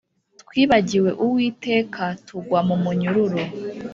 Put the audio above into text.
Twibagiwe uwiteka tugwa mumunyururu